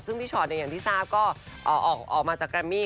ซึ่งพี่ชอตอย่างที่ทราบก็ออกมาจากแกรมมี่